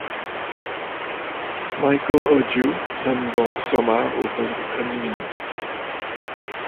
Michael Ogio nomme donc Somare au poste de Premier ministre.